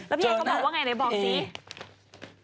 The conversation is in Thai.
แล้วพี่ให้เค้าก็บอกว่าไง